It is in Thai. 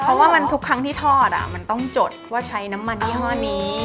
เพราะว่าทุกครั้งที่ทอดมันต้องจดว่าใช้น้ำมันยี่ห้อนี้